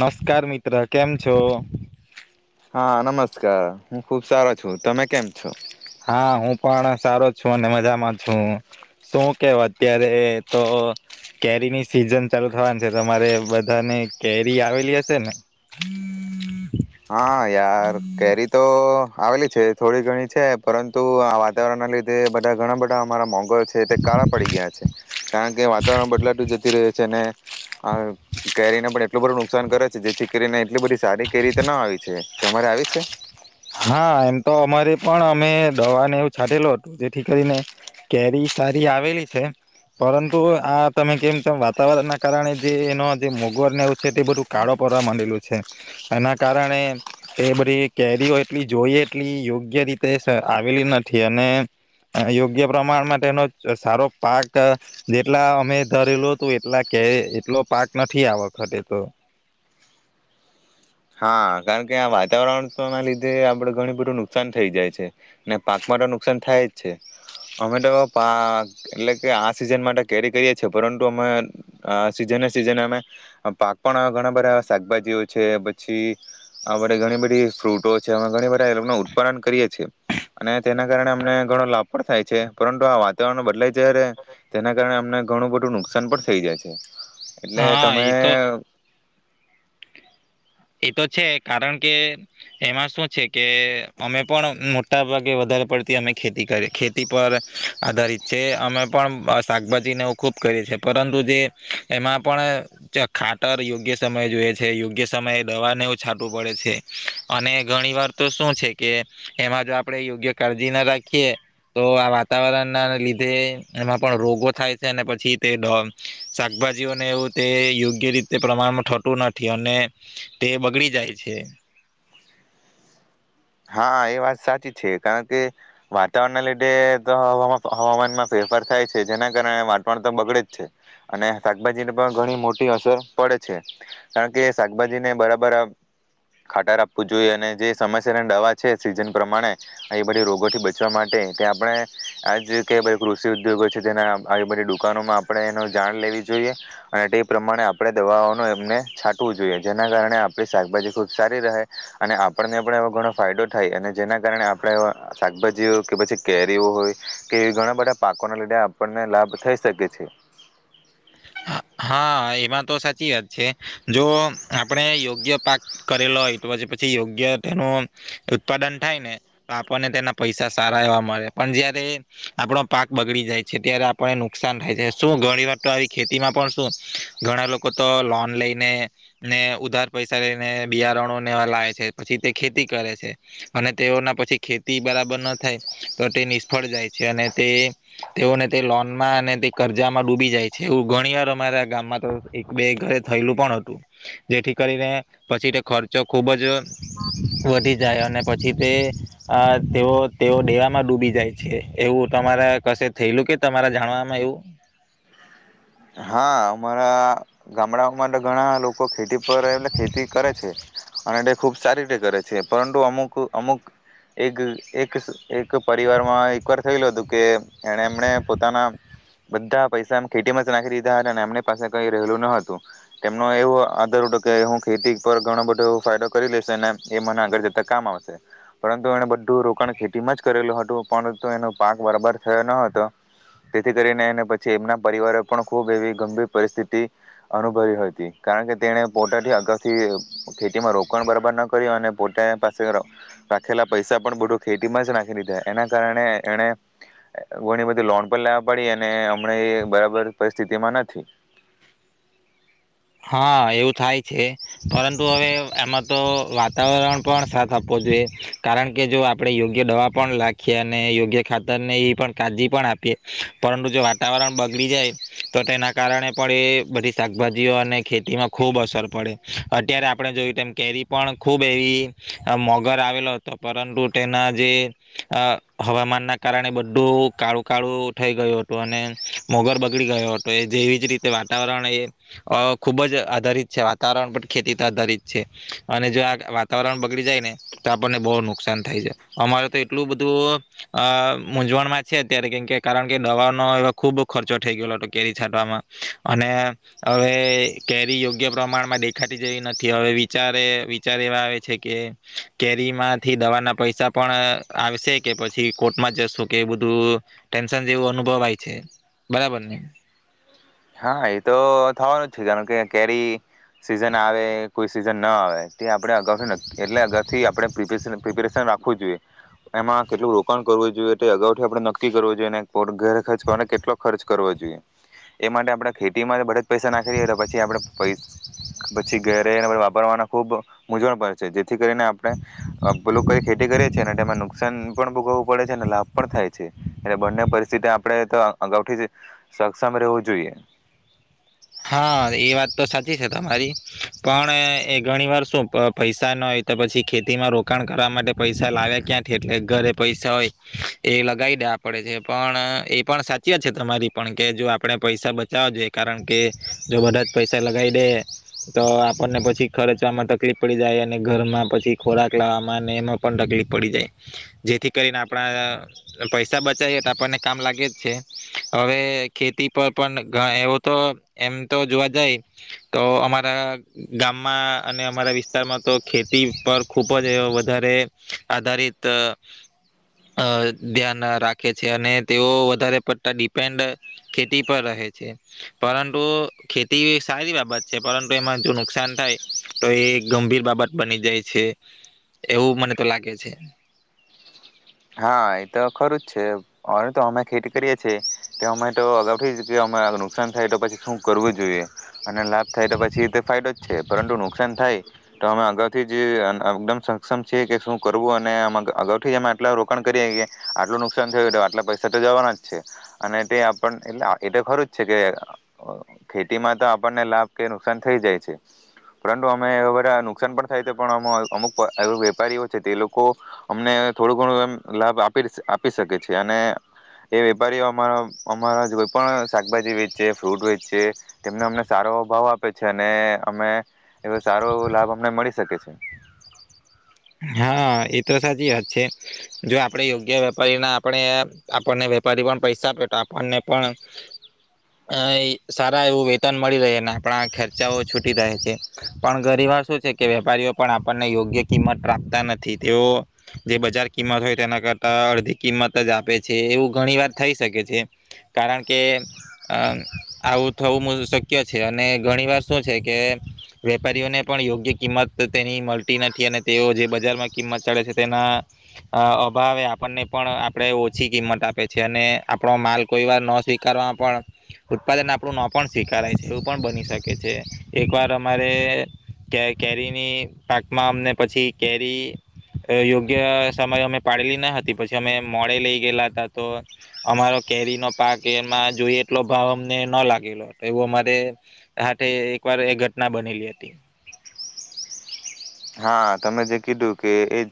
નમસ્કાર મિત્ર કેમ છો? હા નમસ્કાર હું ખુબ સારો છું તમે કેમ છો? હા હું પણ સારો છું અને મજામાં છું, શું કેવ અત્યારે તો, કેરીની સિઝન ચાલુ થવાની છે તમારે બધાને કેરી આવેલી હશે ને? હા યાર કેરી તો આવેલી છે થોડી ઘણી છે પરંતુ આ વાતાવરણના લીધે બધા ઘણા બધા અમારા મોંઘરો છે તે કાળા પડી ગયા છે, કારણ કે વાતાવરણ બદલાતું જતી રહ્યું છે અને, આ કેરીને પણ એટલું બધું નુકસાન કરે છે જેથી કરીને એટલી બધી સારી કે કે ના આવી છે, તો અરે આવી છે? હા એમ તો અમારે પણ અમે દવાને એવું છાંટેલું હતું જેથી કરીને, કેરી સારી આવેલી છે, પરંતુ આ તમે કેમ તેમ વાતાવરણના કારણે જે એનો જે મોગવારને એવું છે તે બધું કાળો પડવા માંડેલું છે, એના કારણે, એ બધી કેરી એટલી જોઈ એટલી યોગ્ય રીતે આવેલી નથી અને, યોગ્ય પ્રમાણ માટેનો સારો પાક, જેટલા અમે ધરેલું હતું એટલા કે એટલો પાક નથી આ વખતે થયો. હા કારણ કે આ વાતાવરણ ના લીધે આપડ ઘણું બધું નુકસાન થઈ જાય છે ને પાક માટે તો નુકસાન થાય જ છે, અમે તો પા એટલે કે આ સિઝન માટે કેરી કરીએ છે પરંતુ અમે સિઝને સિઝન અમે, પાક પણ ઘણા બધા શાકભાજીઓ છે. છે, પછી આપડ ઘણી બધી ફ્રૂટો છે અમે ઘણી બધા એ ઉત્પાદન કરીએ છીએ. અને તેના કારણે અમને ઘણો પણ થાય છે પરંતુ આ વાતાવરણ બદલાય જ્યારે તેના કારણે અમને ઘણું બધું નુકસાન પણ થઈ જાય છે. એટલે હા તમે એ તો એ તો છે કારણ કે એમાં શું છે કે અમે પણ મોટા ભાગે વધારે પડતી અમે ખેતી કરી ખેતી પર આધારિત છે અમે પણ શાકભાજીને ખૂબ કરીએ છે પરંતુ જે એમાં પણ ખાટર યોગ્ય સમય જોઈએ છે. સમયે દવાને એવું છાટવું પડે છે અને ઘણી વાર તો શું છે કે એમાં જો આપણે યોગ્ય કાળજી ના રાખીએ તો આ વાતાવરણના લીધે એમાં પણ રોગો થાય છે અને પછી તે શાકભાજીઓને એવું તે યોગ્ય રીતે પ્રમાણમાં થતું નથી અને તે બગડી જાય છે. હા એ વાત સાચી છે કારણ કે વાતાવરણના લીધે તો હ હવામાનમાં ફેરફાર થાય છે જેના કારણે વાતાવરણ તો બગડે જ છે અને શાકભાજીને પણ ઘણી મોટી અસર પડે છે કારણ કે શાકભાજીને બરાબર ખાટાર આપવું જોઈએ અને જે સમ દવા છે સીઝન પ્રમાણે એ બધી રોગોથી બચવા માટે તે આપણે આ જ કે કૃષિ ઉદ્યોગો છે તેના આવી બધી દુકાનોમાં આપણે એનો જાણ લેવી જોઈએ અને તે પ્રમાણે આપણે દવાઓનું એમને છાંટવું જોઈએ જેના કારણે આપણી શાકભાજી ખૂબ સારી રહે અને આપણ આપણે એવો ઘણો ફાયદો થાય અને જેના કારણે આપણે શાકભાજીઓ કે પછી કેરીઓ હોય કે એવી ઘણા બધા પાકોના લીધે આપણને લાભ થઈ શકે છે. જો આપણે યોગ્ય પાક કરેલો હોય તો પછી પછી યોગ્ય તેનું ઉત્પાદન થાય ને તો આપણને તેના પૈસા સારા એવા મળે પણ જયારે આપણો પાક બગડી જાય છે ત્યારે આપને નુકસાન થાય છે શું ઘણી વાર તો આવી ખેતીમાં પણ ઘણા લોકો તો લોન લઈને ને ઉધાર પૈસા લઈને બિયારણો ને લાવે છે પછી તે ખેતી કરે છે અને તેઓના પછી ખેતી બરાબર ન થાય તો તે નિષ્ફળ જાય છે અને તે તેઓને તે લોન માં અને તે કર્જામાં ડૂબી જાય છે એવું ઘણીવા રા ગામમાં તો એક બે ઘરે થયેલું પણ હતું જેથી કરીને પછી તે ખર્ચો ખુબ જ વધી જાય અને પછી તે તેઓ તેઓ ડેવામાં ડૂબી જાય છે એવું તમારા કશે થયેલું કે તમારા જાણવામાં એવું હા અમારા ગામડાઓમાં તો ઘણા લોકો ખેતી પર એટલે ખેતી કરે છે અને તે ખૂબ સારી રીતે કરે છે પરંતુ અમુક અમુક એક એક એક પરિવારમાં એકવાર થયેલું હતું કે એને એમણે પોતાના બધા પૈસા એમ ખેતીમાં એમની પાસે કઈ રહેલું ન હતું તેમનો એવો આધાર હતો કે હું ખેતી પર ઘણો બધો એવ ફાયદો કરી લેશે એ મને આગળ જતા કામ આવશે પરંતુ એણે બધું રોકાણ ખેતીમાં જ કરેલું હતું પણ તો એનો પાક બરાબર થયો ન હતો તેથી કરીને એને પછી એમના પરિવારે પણ ખૂબ એવી ગંભીર પરિસ્થિતિ અનુભવી હતી કારણ કે તેણે પોતાથી અગાઉથી ખેતીમાં રોકાણ બરાબર ન કર્યું અને પોતા પાસે રાખેલા પૈસા પણ બધું ખેતીમાં જ નાખી દીધા એના કારણે એણે ઘણી બધી લોન પણ લેવા પડી અને હમણાં એ બરાબર પરિસ્થિતિમાં નથી હા એવું થાય છે પરંતુ હવે આમાં તો વાતાવરણ પણ સાથ આપવો જોઈએ કારણ કે જો આપણેે યોગ્ય દવા પણ લખીએ અને યોગ્ય ખાતરને એ પણ કાળજી પણ આપીએ પરંતુ જો વાતાવરણ બગડી જાય તો તેના કારણે પણ એ બધી શાકભાજી અને ખેતીમાં ખૂબ અસર પડે અત્યારે આપણે જોયું તેમ કેરી પણ ખૂબ એવી મોગર આવેલો હતો પરંતુ તેના જે હવામાનના કારણે બધું કાળું કાળું થઈ ગયું હતું અને મોગર બગડી ગયો હતો એ જેવી જ રીતે વાતાવરણ એ અ ખૂબ જ આધારિત છે વાતાવરણ પર ખેતી તો આધારિત છે અને જો આ વાતાવરણ બગડી જાય ને તો આપણને બહુ નુકસાન થાય છે અમારે તો એટલું બધું અ મૂંઝવણમાં છે અત્યારે કેમ કે કારણ કે દવાનો એવા ખૂબ ખર્ચો થઈ ગયેલો હતો કેરી છાંટવામાં અને હવે કેરી યોગ્ય પ્રમાણમાં દેખાતી જેવી નથી હવે વિચારે વિચાર એવા આવે છે કે કેરીમાંથી દવાના પૈસા પણ આવશે કે પછી કોર્ટમાં જશો કે બધું ટેન્શન જેવું અનુભવ આવે છે બરાબર ને હા એતો થવાનું જ છે કારણ કે કેરી સિઝન આવે કોઈ સિઝન ના આવે તે આપણે અગાઉથી એટલે અગાઉથી આપણે પ્રિપેરેશન રાખવું જોઈએ એમાં કેટલું રોકાણ કરવું જોઈએ તે અગાઉથી આપણે નક્કી કરવું જોઈએ ઘેરે ખર્ચ કરવા કેટલો ખર્ચ કરવો જોઈએ એ માટે આપણે ખેતીમાં બધે જ પૈસા નાખી દ તો પછી આપણે પૈસ પછી ઘેરે રહીને વાપરવાના ખૂબ મૂંઝવણ પે છે જેથી કરીને આપણે લોકો કઈ ખેતી કરીએ છીએ અને તેમાં નુકસાન પણ ભોગવવું પડે છે અને લાભ પણ થાય છે એટલે બંને પરિસ્થિતિ આપણે તો અગાઉથી જ સક્ષમ રહેવું જોઈએ હા એ વાત તો સાચી છે તમારી પણ એ ઘણી વાર શું પૈસા ના હોય તો પછી ખેતીમાં રોકાણ કરવા માટે પૈસા લાવ્યા ક્યાંથી એટલે ઘરે પૈસા હોય એ લગાવી દે પડે છે પણ એ પણ સાચી વાત છે તમારી પણ કે જો આપણે પૈસા બચાવવા જોઈએ કારણ કે જો બધા જ પૈસા લગાવી દે તો આપણને પછી ખર્ચવામાં તકલીફ પડી જાય અને ઘરમાં પછી ખોરાક લાવવામાં અને એમાં પણ તકલીફ પડી જાય જેથી કરીને આપણા પૈસા બચાવએ તો આપણને કામ લાગે જ છે હવે ખેતી પર પણ એવો તો એમ તો જોવા જાય તો અમારા ગામમાં અને અમારા વિસ્તારમાં તો ખેતી પર ખૂબ જ વધારે આધારિત અ ધ્યાન રાખે છે અને તેઓ વધારે પડતા ડિપેન્ડ ખેતી પર રહે છે પરંતુ તો ખેતી સારી બાબત છે પરંતુ એમાં જો નુકસાન થાય તો એ ગંભીર બાબત બની જાય છે એવું મને તો લાગે છે હા એ તો ખરું જ છે અવે તો અમે ખેતી કરીએ છેીએ તો અમે તો અગાઉથી જ નુકસાન થાય તો પછી શું કરવું જોઈએ અને લાભ થાય તો પછી તે ફાયદો જ છે પરંતુ નુકસાન થાય તો અમે અગાઉથી જ એકદમ સક્ષમ છીએ કે શું કરવું અને અગાથી જ અમે આટલા ર કરીએ કે આટલું નુકસાન થયું આટલા પૈસા તો જવાના જ છે અને તે આપણને એટ એ તો ખરું જ છે કે ખેતીમાં તો આપણને લાભ કે નુકસાન થઈ જાય છે પરંતુ અમે એ બધા નુકસાન પણ થાય છે પણ અમુક એ વેપારીઓ છે તે લોકો અમને થોડું ઘણું એમ લાભ આપી આપી શકે છે અને એ વેપારીઓ અમારા અમારા કોઈ પણ શાકભાજી વેચ ફ્રૂટ વેચ છે તેમને અમને સારો ભાવ આપે છે અને અમે એ સારો એો લાભ અમને મળી શકે છે હા એ તો સાચી વાત છે જો આપણેે યોગ્ય વેપારી ના આપણે આપણને વેપારી પણ પૈસા આપે તો આપણને પણ સારા એવું વેતન મળી રહે અને આપણા ખર્ચાઓ છૂટી રહે છે પણ ગરીબ શું છે કે વેપારીઓ પણ આપણને યોગ્ય કિંમત રાતા નથી તેઓ જે બજાર કિંમત હોય તેના કરતા અડધી કિંમત જ આપે છે એવું ઘણી વાર થઈ શકે છે કારણ કે અ આવું થવું શક્ય છે અને ઘણી વાર શું છે કે વેપારીઓને પણ યોગ્ય કિંમત તેની મળતી નથી અને તેઓ જે બજારમાં કિંમત ચડે છે તેના અભાવે આપણને પણ આપણે ઓછી કિંમત આપે છે અને આપણો માલ કોઈ વાર ન સ્વીકારવા પણ ઉત્પાદન આપણું ન પણ સ્વીકારાય છે એવું પણ બની શકે છે એકવાર અમારે કે કેરીની પાકમાં અમને પછી કેરી યોગ્ય સમય અમે પાડેલી ના હતી પછી અમે મોડે લઈ ગયેલા હતા તો અમારો કેરી નો પાક એમાં જોઈ એટલો ભાવ અમને ન લાગેલો એવો અમારે હાથે એક વાર એ ઘટના બનેલી હતી હા તમે જે કીધું કે એ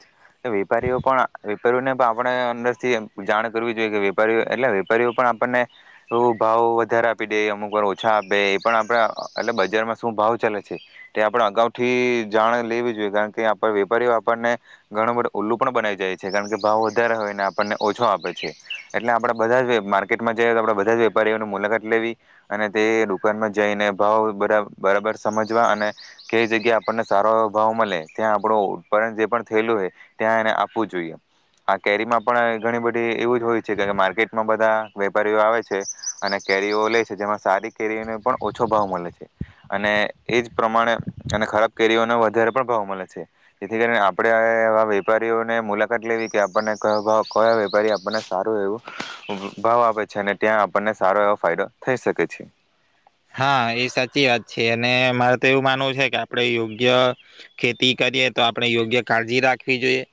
વેપારીઓ પણ વેપારીઓને પણ આપણે અંદર થી જાણ કરવી જોઈએ કે વેપારીઓ એટલે વેપારીઓ પણ આપણને એ ભાવ વધારે આપી દે અમુક વાર ઓછા આપે એ પણ આપડા એટ બજારમાં શું ભાવ ચાલે છે એ આપણે અગાઉથી જાણ લેવી કારણ કે આપ વેપારીઓ આપણને ઘણું બધું ઉલ્લું પણ બના જાય છે કારણ કે ભાવ વધારે હોયને આપણને ઓછો આપે છે એટલે આપડા બધા માર્કેટમાં જઈ તો આપ બધા જ વેપારીઓની મુલાકાત લેવી અને તે દુકાનમાં જઈને ભાવ બરાબર સમજવા અને કઈ જગ્યા આપણને સારો ભાવ મળે ત્યાં આપણું ઉત્પરણ જે પણ થયેલું હોય ત્યાં એને આપવું જોઈએ આ કેરીમાં પણ ઘણી બધી એવું જ હોય છે કે માર્કેટમાં બધા વેપારીઓ આવે છે અને કેરીઓ લે છે જેમાં સારી કેરીઓને પણ ઓછો ભાવ મળે છે અને એજ પ્રમાણે અને ખરાબ કેરીઓને વધારે પણ ભાવ મળે છે જેથી કરીને આપણેવા વેપારીઓને મુલાકાત લેવી કે આપણને કયો વેપારી આપણને સારો એવું ભાવ આપે છે અને ત્યાં આપણને સારો એવો ફાયદો થઈ શકે છે હા એ સાચી વાત છે અને મારે તો એવું માનવું છે કે આપડણે યોગ્ય ખેતી કરીએ તો આપડણે યોગ્ય કાળજી રાખવી જોઈએ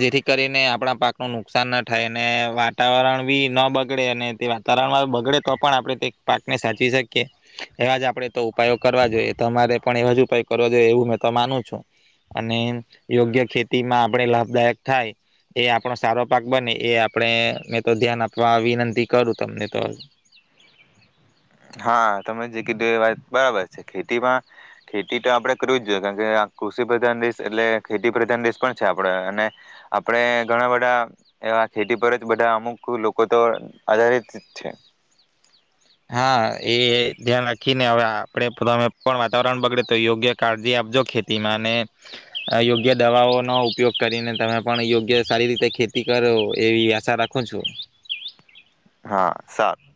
જેથી કરીને આપણા પાક નું નુકસાન ના થાય અને વાતાવરણ બી ના બગડે અને તે વાતાવરણમાં બગડે તો પણ આપણે તે પાકને સાચવી શકીએ એવા જ આપણે તો ઉપાયો કરવા જોઈએ તમારે પણ એવાજ ઉપાય કરવા જોઈએ એવું મેં તો માનું છું અને યોગ્ય ખેતીમાં આપણે લાભદાયક થાય એ આપણો સારો પાક બને એ આપણે મે તો ધ્યાન આપવા વિનંતી કરું તમને તો હા તમે જે કીધું એ વાત બરાબર છે ખેતીમાં ખેતી તો આપડે કરવી જ જોઈએ કારણ કે કૃષિ પ્રધાન દેશ એટલે ખેતી પ્રધાન દેશ પણ છે આપડ અને આપણેે ઘણા બધા એવા ખેતી પર જ બધા અમુક લોકો તો આધારિત છે હા એ ધ્યાન રાખીને હવે આપડે તમે પણ વાતાવરણ બગડે તો યોગ્ય કાળજી આપજો ખેતીમાં અને યોગ્ય દવાઓનોો ઉપયોગ કરીને તમે પણ યોગ્ય સારી રીતે ખેતી કરો એવી આશા રાખો છું હા સારું